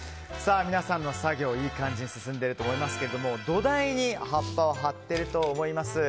皆さんの作業いい感じに進んでいると思いますけど土台に葉っぱを貼っていると思います。